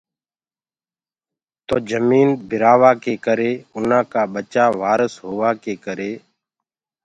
تو جميٚن بِرآ وآ ڪي ڪري اُنآ ڪآ ٻچآ وارس هووا ڪي ڪري